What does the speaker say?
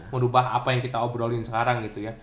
merubah apa yang kita obrolin sekarang gitu ya